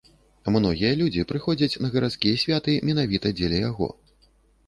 Многія людзі прыходзяць на гарадскія святы менавіта дзеля яго.